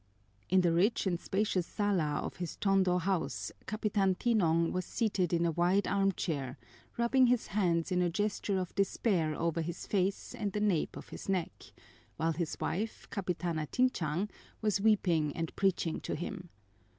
In the rich and spacious sala of his Tondo house, Capitan Tinong was seated in a wide armchair, rubbing his hands in a gesture of despair over his face and the nape of his neck, while his wife, Capitana Tinchang, was weeping and preaching to him.